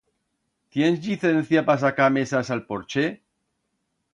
Tiens llicencia pa sacar mesas a'l porche?